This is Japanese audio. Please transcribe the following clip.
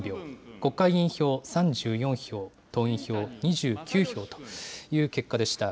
国会議員票３４票、党員票２９票という結果でした。